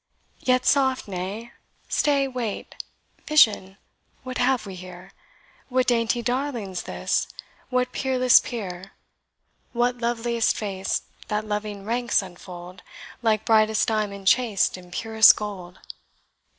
Yet soft nay, stay what vision have we here? What dainty darling's this what peerless peer? What loveliest face, that loving ranks unfold, Like brightest diamond chased in purest gold?